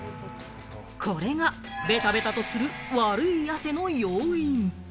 これがベタベタとする悪い汗の要因。